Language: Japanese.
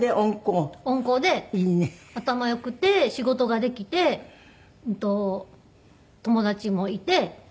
頭よくて仕事ができて友達もいて。